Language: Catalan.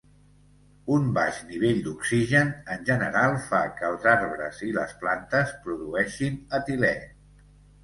Un baix nivell d'oxigen, en general, fa que els arbres i les plantes produeixin etilè.